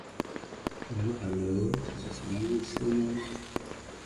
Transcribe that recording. The label has been working since then, and they have signed numerous artist.